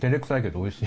おいしい。